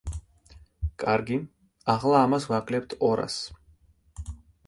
კარგი, ახლა ამას ვაკლებთ ორასს.